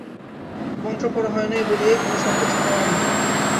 মন্ত্র পড়া হয় নাই বলিয়াই কোনো সংকোচ করা অন্যায়।